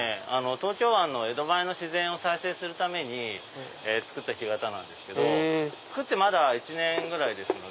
東京湾の江戸前の自然を再生するために造った干潟で造ってまだ１年ぐらいで。